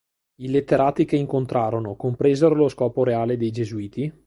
I letterati che incontrarono compresero lo scopo reale dei Gesuiti?